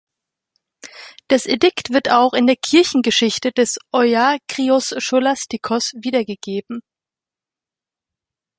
Das Edikt wird auch in der Kirchengeschichte des Euagrios Scholastikos wiedergegeben.